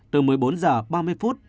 từ một mươi bốn h ba mươi phút